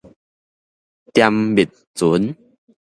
沉沕船